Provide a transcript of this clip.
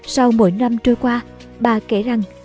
sau mỗi năm trôi qua bà kể rằng